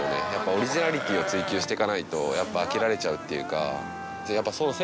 オリジナリティーを追求していかないとやっぱ飽きられちゃうっていうか。